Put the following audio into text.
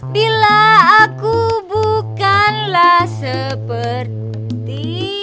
bila aku bukanlah seperti